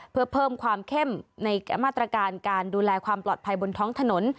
เพื่อเพิ่มความเข้มในมาตรการการดูแลความปลอดภัยบนท้องถนน